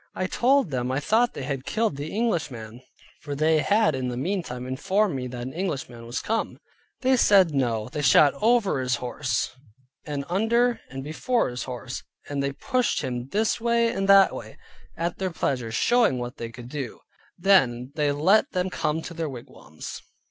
I told them I thought they had killed the Englishman (for they had in the meantime informed me that an Englishman was come). They said, no. They shot over his horse and under and before his horse, and they pushed him this way and that way, at their pleasure, showing what they could do. Then they let them come to their wigwams.